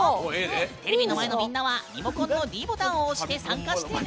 テレビの前のみんなはリモコンのｄボタンを押して参加してね！